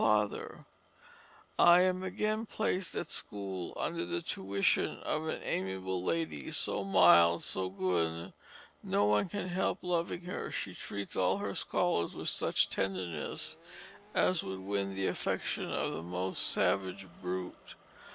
FATHER: "I am again placed at school under the tuition of an amiable lady, so mild, so good, no one can help loving her; she treats all her scholars with such tenderness as would win the affection of the most savage brute.